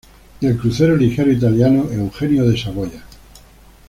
Y el crucero ligero italiano Eugenio di Savoia.